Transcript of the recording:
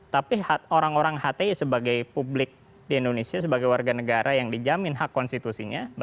tapi orang orang hti sebagai publik di indonesia sebagai warga negara yang dijamin hak konstitusinya